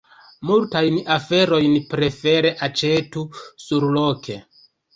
Multajn aferojn prefere aĉetu surloke.